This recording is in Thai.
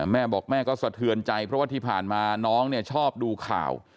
แม่บอกแม่ก็สะเทือนใจเพราะว่าที่ผ่านมาน้องเนี่ยชอบดูข่าว